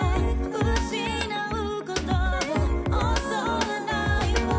「失うことを恐れないわ」